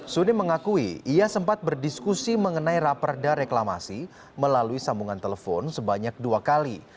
suni mengakui ia sempat berdiskusi mengenai raperda reklamasi melalui sambungan telepon sebanyak dua kali